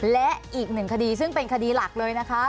และอีกหนึ่งคดีซึ่งเป็นคดีหลักเลยนะคะ